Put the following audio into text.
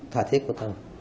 thòa thiết của tôi